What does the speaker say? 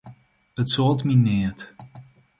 It soalt my neat.